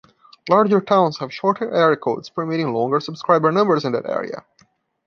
Larger towns have shorter area codes permitting longer subscriber numbers in that area.